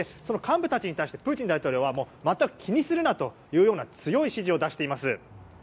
幹部たちに対してプーチン大統領は全く気にするなという強い指示を出しています。